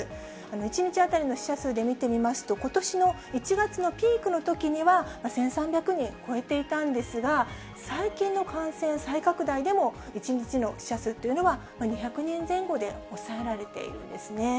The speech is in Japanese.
１日当たりの死者数で見てみますと、ことしの１月のピークのときには１３００人を超えていたんですが、最近の感染再拡大でも、１日の死者数というのは２００人前後で抑えられているんですね。